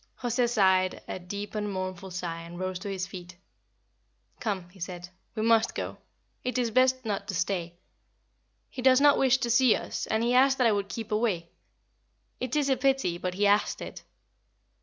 Jose sighed a deep and mournful sigh and rose to his feet. "Come," he said. "We must go. It is best not to stay. He does not wish to see us, and he asked that I would keep away. It is a pity but he asked it."